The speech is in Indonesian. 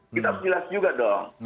kita harus jelas juga dong